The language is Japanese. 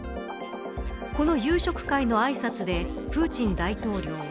この夕食会のあいさつでプーチン大統領は。